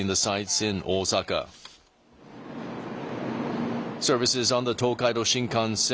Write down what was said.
その東海道新幹線。